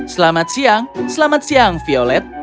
selamat siang selamat siang violet